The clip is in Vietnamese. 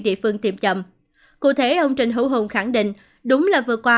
địa phương tiêm chậm cụ thể ông trịnh hữu hùng khẳng định đúng là vừa qua